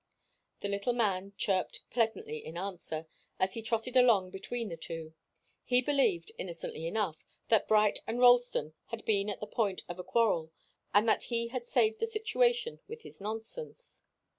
The little man chirped pleasantly in answer, as he trotted along between the two. He believed, innocently enough, that Bright and Ralston had been at the point of a quarrel, and that he had saved the situation with his nonsense.